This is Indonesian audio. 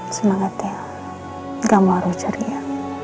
semangatnya kamu harus ceria